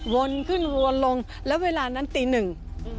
วนขึ้นวนลงแล้วเวลานั้นตีหนึ่ง